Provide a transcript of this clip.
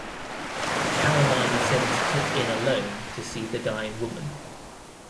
Caroline sends Kit in alone to see the dying woman.